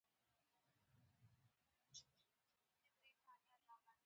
• یو لیک یا بیان چې ولې مو خپل هېواد پرې ایښی